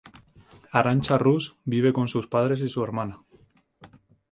Arantxa Rus vive con sus padres y su hermana.